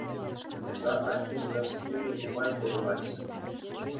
Кунта Архимсем питӗ нумайӑн пурӑнаҫҫӗ.